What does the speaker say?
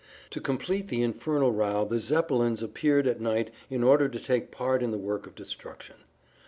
To complete the infernal row the Zeppelins appeared at night in order to take part in the work of destruction.